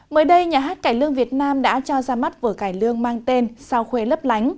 mới đây nhà hát cải lương việt nam đã cho ra mắt vở cải lương mang tên sao khuê lấp lánh